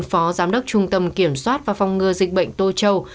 phó giám đốc trung tâm kiểm soát và phong ngơ dịch bệnh tô châu